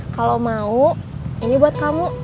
kalau mau ini buat kamu